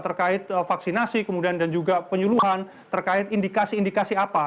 terkait vaksinasi kemudian dan juga penyuluhan terkait indikasi indikasi apa